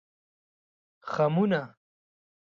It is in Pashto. خمونه